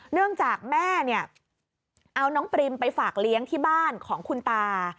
เนื่องจากแม่เนี่ยเอาน้องปริมไปฝากเลี้ยงที่บ้านของคุณตา